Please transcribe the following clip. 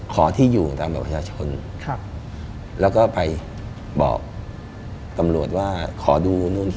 คอนเชิญวิญญาณออกจากบ้าน